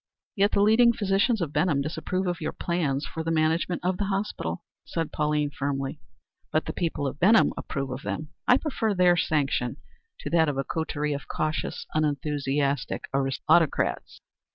"Yet the leading physicians of Benham disapprove of your plans for the management of the hospital," said Pauline firmly. "But the people of Benham approve of them. I prefer their sanction to that of a coterie of cautious, unenthusiastic autocrats."